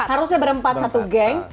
harusnya ber empat satu geng